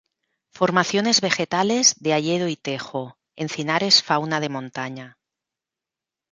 Formaciones vegetales de hayedo y tejo; encinares fauna de montaña.